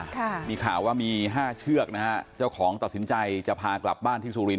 ค่ะมีข่าวว่ามีห้าเชือกนะฮะเจ้าของตัดสินใจจะพากลับบ้านที่สุรินท